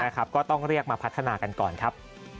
ก็ต้องเรียกมาพัฒนากันก่อนครับ